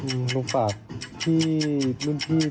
อืมรูปภาพพี่รุ่นพี่